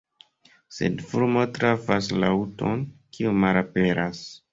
Sed fulmo trafas la aŭton, kiu malaperas.